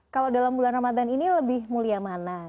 kalau dalam bulan ramadan ini lebih mulia mana